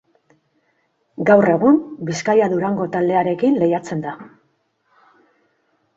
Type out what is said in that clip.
Gaur egun Bizkaia-Durango taldearekin lehiatzen da.